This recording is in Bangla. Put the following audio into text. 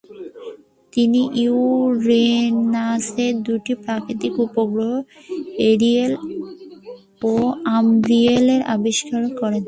তিনি ইউরেনাসের দু’টি প্রাকৃতিক উপগ্রহ এরিয়েল ও আমব্রিয়েল আবিষ্কার করেন।